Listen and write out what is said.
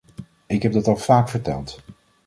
Ik heb dat al vaak verteld.